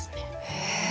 へえ。